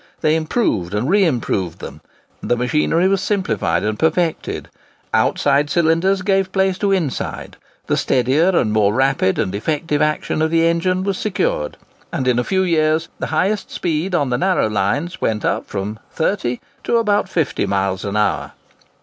They improved and re improved them; the machinery was simplified and perfected; outside cylinders gave place to inside; the steadier and more rapid and effective action of the engine was secured; and in a few years the highest speed on the narrow gauge lines went up from 30 to about 50 miles an hour.